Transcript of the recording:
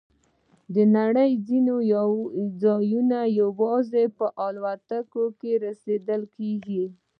د نړۍ ځینې ځایونه یوازې په الوتکو کې رسیدل کېږي.